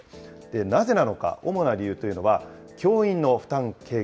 なぜなのか、主な理由というのは、教員の負担軽減。